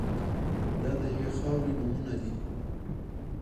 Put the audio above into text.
دا د یوې خاورې نومونه دي.